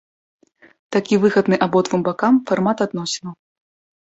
Такі выгадны абодвум бакам фармат адносінаў.